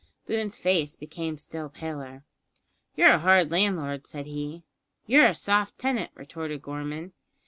Boone's face became still paler. "You're a hard landlord," said he. "You're a soft tenant," retorted Gorman.